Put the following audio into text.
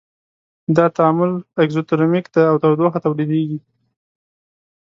دا تعامل اکزوترمیک دی او تودوخه تولیدیږي.